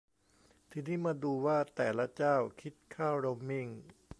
ทีนี้มาดูว่าแต่ละเจ้าคิดค่าโรมมิ่ง